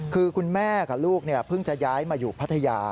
คือคุณแม่กับลูกเพิ่งจะย้ายมาอยู่พัทยา